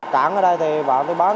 cảng ở đây thì bạn cứ bán